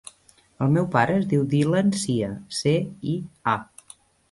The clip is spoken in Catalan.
El meu pare es diu Dylan Cia: ce, i, a.